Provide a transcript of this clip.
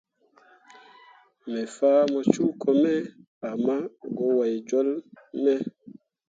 Me fah mo suuko me ama go wai jolle ge me.